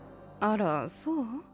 あらそう？